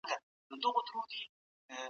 ولې وزن کمول او فعالیت متضاد دي؟